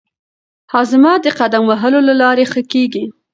هاضمه د قدم وهلو له لارې ښه کېږي.